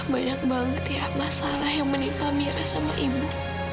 banyak banget ya masalah yang menimpa mira sama ibu